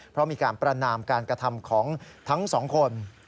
เพราะมีการประนามการกระทำของทั้งสองคน